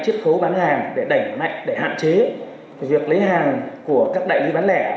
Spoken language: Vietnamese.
chiết khấu bán hàng để đẩy mạnh để hạn chế việc lấy hàng của các đại lý bán lẻ